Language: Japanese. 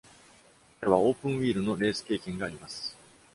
彼はオープンウィールのレース経験があります。